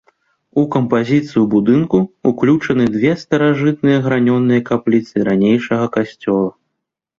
У кампазіцыю будынку ўключаны две старажытныя гранёныя капліцы ранейшага касцёла.